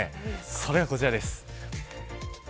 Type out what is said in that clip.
それがこちらです。